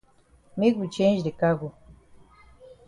Make we change de cargo.